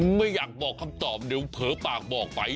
ไม่อยากบอกคำตอบเดี๋ยวเผลอปากบอกไป